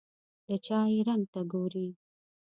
د چای رنګ ته ګوري.